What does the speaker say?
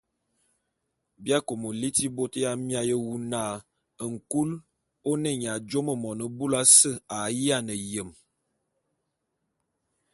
Bi akômo liti bôt ya miaé wu na nkul ô ne nya jùomo mone búlù ase a yiane yem.